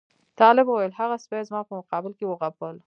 طالب وویل هغه سپي زما په مقابل کې وغپل.